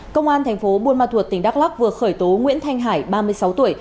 công an thành phố buôn ma thuột tỉnh đắk lắc vừa khởi tố nguyễn thanh hải ba mươi sáu tuổi